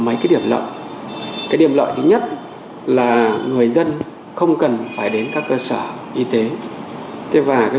mấy cái điểm lợi cái điểm lợi thứ nhất là người dân không cần phải đến các cơ sở y tế thế và cái